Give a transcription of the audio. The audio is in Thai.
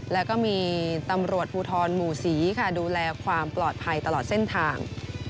แล้วก็มีตำรวจภูทรหมู่ศรีค่ะดูแลความปลอดภัยตลอดเส้นทาง